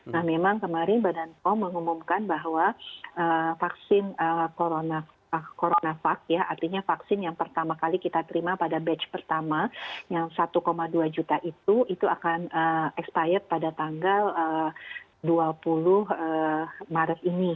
nah memang kemarin badan pom mengumumkan bahwa vaksin coronavac ya artinya vaksin yang pertama kali kita terima pada batch pertama yang satu dua juta itu itu akan expired pada tanggal dua puluh maret ini